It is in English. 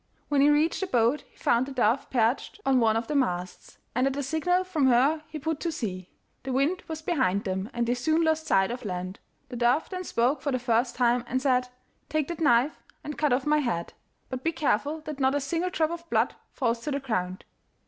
When he reached the boat he found the dove perched on one of the masts, and at a signal from her he put to sea; the wind was behind them and they soon lost sight of land. The dove then spoke for the first time and said, 'Take that knife and cut off my head, but be careful that not a single drop of blood falls to the ground.